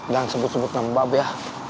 sebut sebut nama bab ya